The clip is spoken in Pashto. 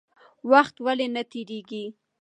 وخت ولې نه تېرېږي؟